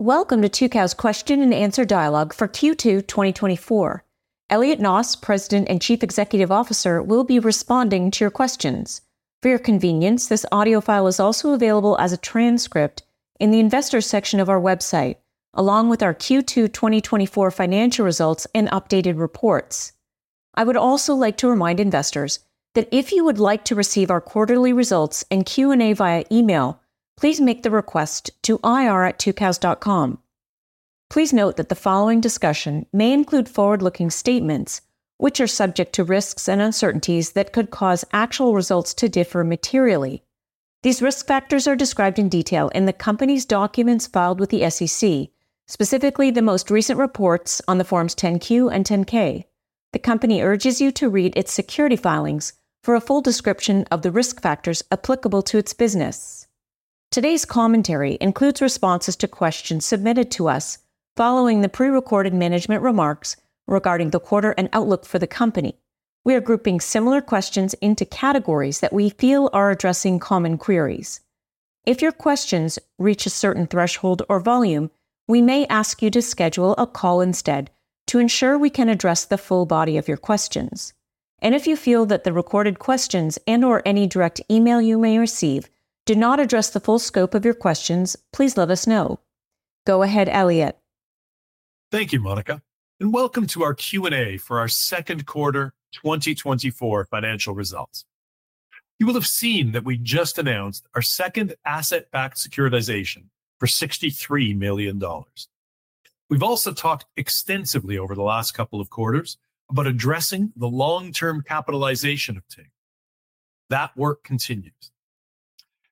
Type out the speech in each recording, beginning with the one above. Welcome to Tucows Question and Answer Dialogue for Q2 2024. Elliot Noss, President and Chief Executive Officer, will be responding to your questions. For your convenience, this audio file is also available as a transcript in the Investors section of our website, along with our Q2 2024 financial results and updated reports. I would also like to remind investors that if you would like to receive our quarterly results and Q&A via email, please make the request to ir@tucows.com. Please note that the following discussion may include forward-looking statements, which are subject to risks and uncertainties that could cause actual results to differ materially. These risk factors are described in detail in the company's documents filed with the SEC, specifically the most recent reports on the Forms 10-Q and 10-K. The company urges you to read its SEC filings for a full description of the risk factors applicable to its business. Today's commentary includes responses to questions submitted to us following the prerecorded management remarks regarding the quarter and outlook for the company. We are grouping similar questions into categories that we feel are addressing common queries. If your questions reach a certain threshold or volume, we may ask you to schedule a call instead to ensure we can address the full body of your questions. And if you feel that the recorded questions and/or any direct email you may receive do not address the full scope of your questions, please let us know. Go ahead, Elliot. Thank you, Monica, and welcome to our Q&A for our second quarter 2024 financial results. You will have seen that we just announced our second asset-backed securitization for $63 million. We've also talked extensively over the last couple of quarters about addressing the long-term capitalization of Ting. That work continues.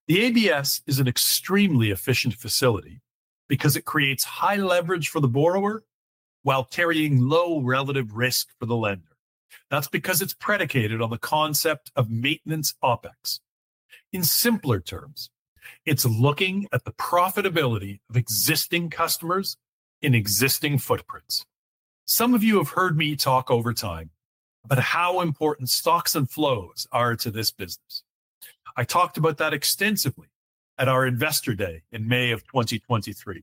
The ABS is an extremely efficient facility because it creates high leverage for the borrower while carrying low relative risk for the lender. That's because it's predicated on the concept of Maintenance OpEx. In simpler terms, it's looking at the profitability of existing customers in existing footprints. Some of you have heard me talk over time about how important stocks and flows are to this business. I talked about that extensively at our Investor Day in May of 2023.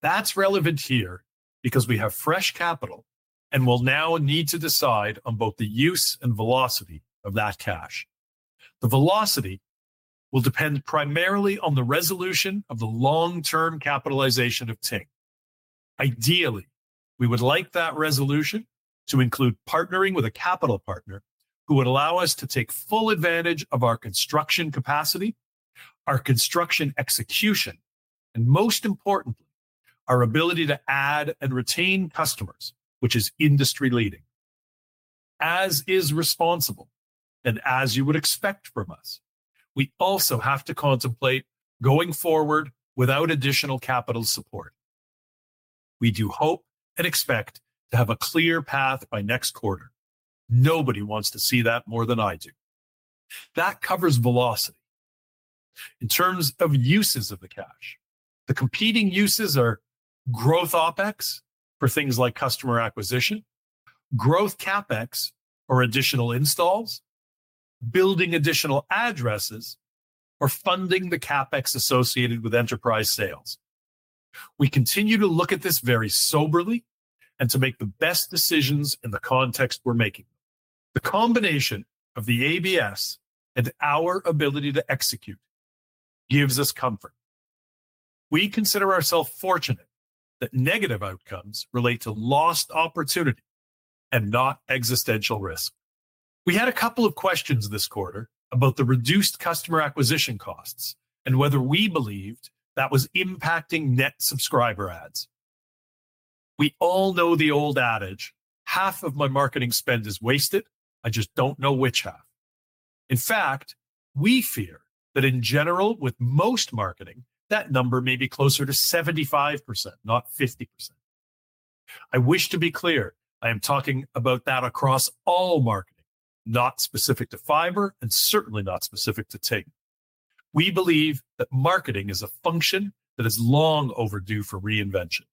That's relevant here because we have fresh capital and will now need to decide on both the use and velocity of that cash. The velocity will depend primarily on the resolution of the long-term capitalization of Ting. Ideally, we would like that resolution to include partnering with a capital partner who would allow us to take full advantage of our construction capacity, our construction execution, and most importantly, our ability to add and retain customers, which is industry-leading. As is responsible and as you would expect from us, we also have to contemplate going forward without additional capital support. We do hope and expect to have a clear path by next quarter. Nobody wants to see that more than I do. That covers velocity. In terms of uses of the cash, the competing uses are Growth OpEx for things like customer acquisition, Growth CapEx, or additional installs, building additional addresses, or funding the CapEx associated with enterprise sales. We continue to look at this very soberly and to make the best decisions in the context we're making. The combination of the ABS and our ability to execute gives us comfort. We consider ourselves fortunate that negative outcomes relate to lost opportunity and not existential risk. We had a couple of questions this quarter about the reduced customer acquisition costs and whether we believed that was impacting net subscriber adds. We all know the old adage: half of my marketing spend is wasted, I just don't know which half. In fact, we fear that in general, with most marketing, that number may be closer to 75%, not 50%. I wish to be clear. I am talking about that across all marketing, not specific to fiber, and certainly not specific to Ting. We believe that marketing is a function that is long overdue for reinvention,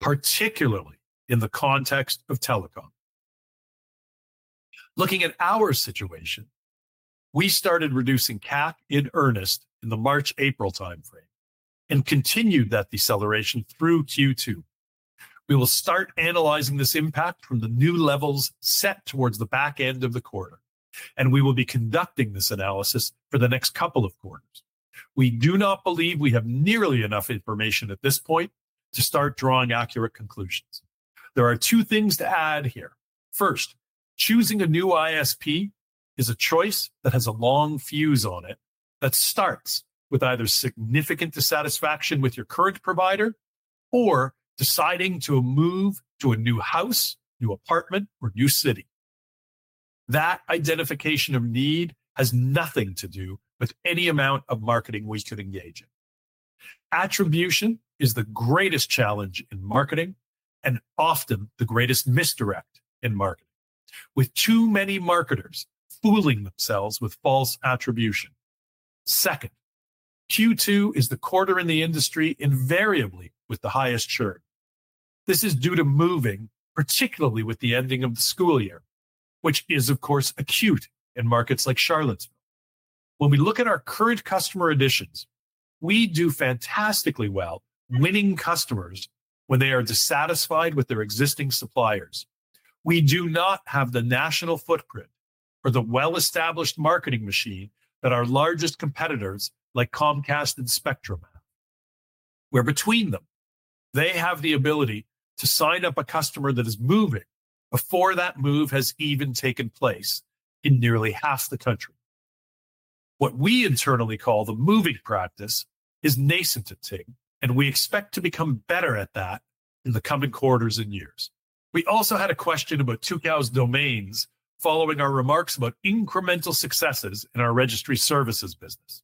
particularly in the context of telecom. Looking at our situation, we started reducing CapEx in earnest in the March, April timeframe and continued that deceleration through Q2. We will start analyzing this impact from the new levels set towards the back end of the quarter, and we will be conducting this analysis for the next couple of quarters. We do not believe we have nearly enough information at this point to start drawing accurate conclusions. There are two things to add here. First, choosing a new ISP is a choice that has a long fuse on it, that starts with either significant dissatisfaction with your current provider or deciding to move to a new house, new apartment, or new city. That identification of need has nothing to do with any amount of marketing we could engage in. Attribution is the greatest challenge in marketing and often the greatest misdirect in marketing, with too many marketers fooling themselves with false attribution. Second, Q2 is the quarter in the industry, invariably with the highest churn. This is due to moving, particularly with the ending of the school year, which is, of course, acute in markets like Charlottesville. When we look at our current customer additions, we do fantastically well, winning customers when they are dissatisfied with their existing suppliers. We do not have the national footprint or the well-established marketing machine that our largest competitors, like Comcast and Spectrum, have, where between them, they have the ability to sign up a customer that is moving before that move has even taken place in nearly half the country. What we internally call the moving practice is nascent to Ting, and we expect to become better at that in the coming quarters and years. We also had a question about Tucows Domains following our remarks about incremental successes in our registry services business.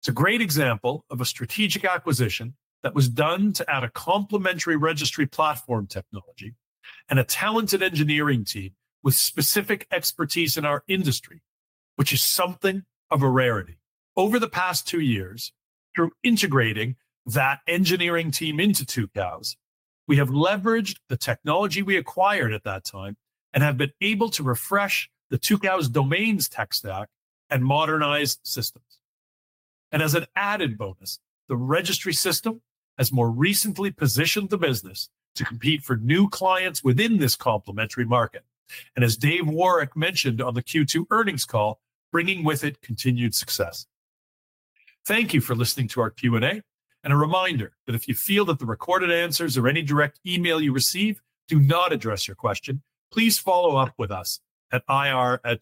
It's a great example of a strategic acquisition that was done to add a complementary registry platform technology and a talented engineering team with specific expertise in our industry, which is something of a rarity. Over the past two years, through integrating that engineering team into Tucows, we have leveraged the technology we acquired at that time and have been able to refresh the Tucows Domains tech stack and modernize systems, and as an added bonus, the registry system has more recently positioned the business to compete for new clients within this complementary market, and as Dave Woroch mentioned on the Q2 earnings call, bringing with it continued success. Thank you for listening to our Q&A, and a reminder that if you feel that the recorded answers or any direct email you receive do not address your question, please follow up with us at ir@tucows.com